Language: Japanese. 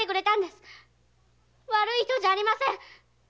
悪い人じゃありません！